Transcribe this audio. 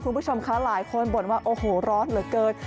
คุณผู้ชมคะหลายคนบ่นว่าโอ้โหร้อนเหลือเกิน